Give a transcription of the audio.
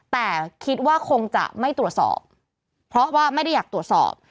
แต่คิดว่าคงจะไม่ตรวจสอบเพราะว่าไม่ได้อยากตรวจสอบ